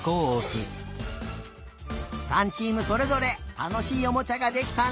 ３チームそれぞれたのしいおもちゃができたね！